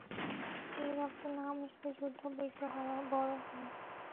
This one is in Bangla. ও রক্ত না মিশলে যুদ্ধবীর্য বড় হয় না।